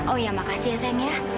oh ya makasih ya sayangnya